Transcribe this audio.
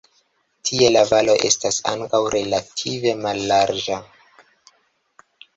Tie la valo estas ankaŭ relative mallarĝa.